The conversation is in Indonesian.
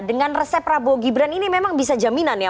dengan resep prabowo gibran ini memang bisa jaminan ya